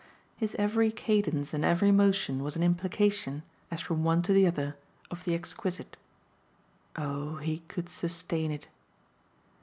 His every cadence and every motion was an implication, as from one to the other, of the exquisite. Oh he could sustain it!